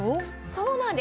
そうなんです！